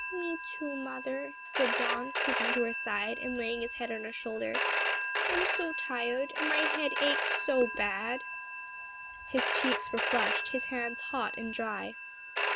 "Me too, mother," said Don, creeping to her side and laying his head on her shoulder, "I'm so tired and my head aches so bad." His cheeks were flushed, his hands hot and dry.